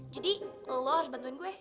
jadi lo harus bantuin gue